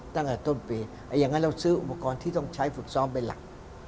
ตั้งแต่ต้นปีอย่างนั้นเราซื้ออุปกรณ์ที่ต้องใช้ฝึกซ้อมเป็นหลัก